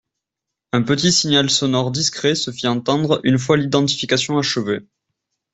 Un petit signal sonore discret se fit entendre une fois l’identification achevée.